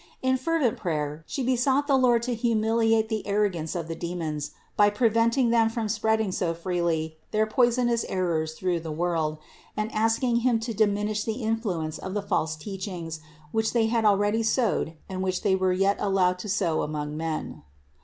In fervent prayer She besought the Lord to humiliate the arrogance of the demons by preventing them from spreading so freely their poisonous errors through the world, and asking Him to diminish the influence of the false teachings, which they had already sowed and which they were yet allowed to sow among men.